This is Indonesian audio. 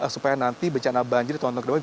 supaya nanti bencana banjir